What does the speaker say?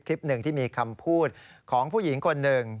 คลิปหนึ่งที่มีคำพูดของผู้หญิงคนหนึ่ง